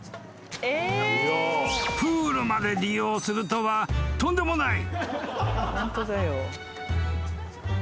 ［プールまで利用するとはとんでもない］